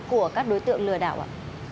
của các đối tượng lừa đảo ạ